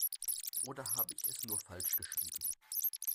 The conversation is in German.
Oder habe ich es nur falsch geschrieben?